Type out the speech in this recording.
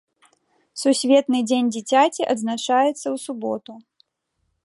Сусветны дзень дзіцяці адзначаецца ў суботу.